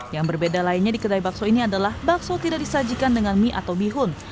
yang berbeda lainnya di kedai bakso ini adalah bakso tidak disajikan dengan mie atau bihun